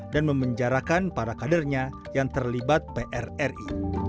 dan memenjarakan para kadernya yang terlibat prri